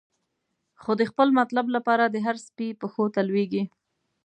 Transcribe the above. خو د خپل مطلب لپاره، د هر سپی پښو ته لویږی